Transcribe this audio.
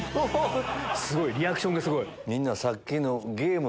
リアクションがすごい！